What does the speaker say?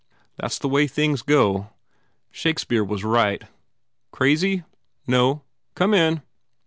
That s the way things go. Shakespeare was right. Crazy? No. Come in."